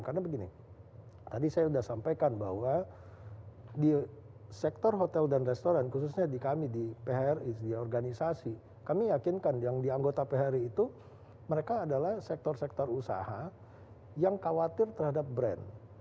karena begini tadi saya sudah sampaikan bahwa di sektor hotel dan restoran khususnya di kami di phri di organisasi kami yakinkan yang di anggota phri itu mereka adalah sektor sektor usaha yang khawatir terhadap brand